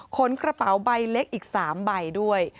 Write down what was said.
กระเป๋าใบเล็กอีก๓ใบด้วย